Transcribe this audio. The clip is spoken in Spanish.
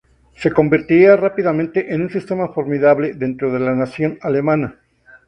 Se convertiría rápidamente en un sistema formidable dentro de la nación alemana.